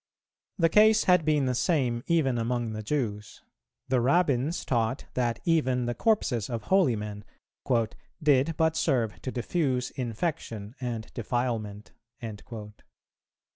The case had been the same even among the Jews; the Rabbins taught, that even the corpses of holy men "did but serve to diffuse infection and defilement."